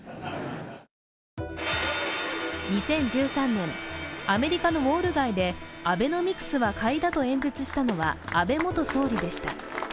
２０１３年、アメリカのウォール街でアベノミクスは買いだと演説したのは安倍元総理でした。